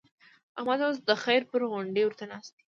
احمد اوس د خير پر غونډۍ ورته ناست دی.